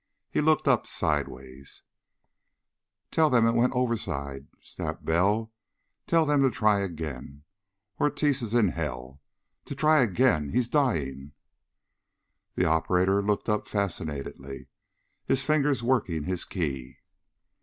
He looked up sidewise. "Tell them it went overside," snapped Bell. "Tell them to try it again. Ortiz is in hell! To try again! He's dying!" The operator looked up fascinatedly, his fingers working his key.